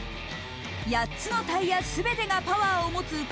８つのタイヤすべてがパワーを持つ